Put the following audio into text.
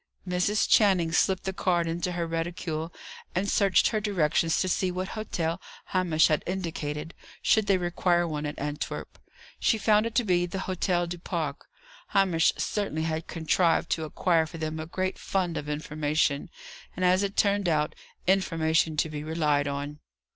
Mrs. Channing slipped the card into her reticule, and searched her directions to see what hotel Hamish had indicated, should they require one at Antwerp. She found it to be the Hôtel du Parc. Hamish certainly had contrived to acquire for them a great fund of information; and, as it turned out, information to be relied on.